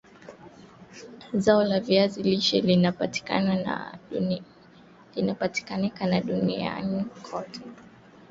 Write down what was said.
zao la viazi lishe linapatika na duniani kote